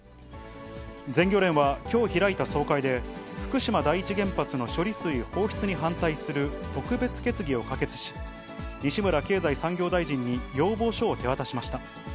全漁連はきょう開いた総会で、福島第一原発の処理水放出に反対する特別決議を可決し、西村経済産業大臣に要望書を手渡しました。